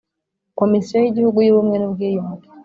komisiyo y'igihugu y'ubumwe n'ubwiyunge